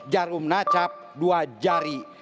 jarum nacap dua jari